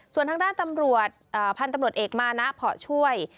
ส่วนทางด้านตำรวจพันธุ์ตำรวจเอกมานะเพาะช่วย